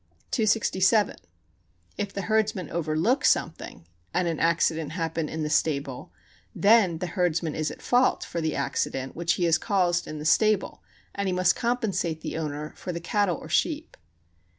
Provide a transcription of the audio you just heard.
267. If the herdsman overlook something, and an accident happen in the stable, then the herdsman is at fault for the accident which he has caused in the stable, and he must compensate the owner for the cattle or sheep.